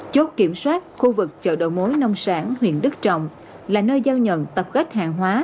chốt kiểm soát khu vực chợ đầu mối nông sản huyện đức trọng là nơi giao nhận tập kết hàng hóa